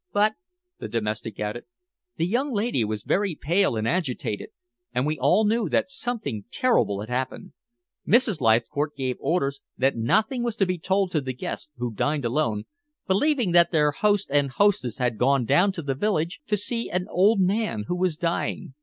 But," the domestic added, "the young lady was very pale and agitated, and we all knew that something terrible had happened. Mrs. Leithcourt gave orders that nothing was to be told to the guests, who dined alone, believing that their host and hostess had gone down to the village to see an old man who was dying.